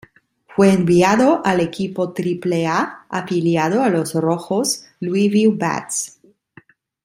Fue enviado al equipo Triple-A afiliado a los Rojos, Louisville Bats.